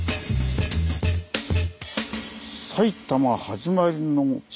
「埼玉はじまりの地